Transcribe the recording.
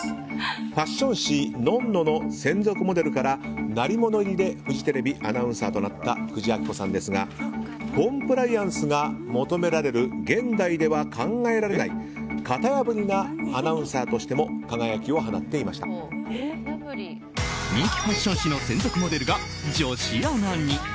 ファッション誌「ｎｏｎ‐ｎｏ」の専属モデルから鳴り物入りでフジテレビアナウンサーとなった久慈暁子さんですがコンプライアンスが求められる現代では考えられない型破りなアナウンサーとしても人気ファッション誌の専属モデルが女子アナに。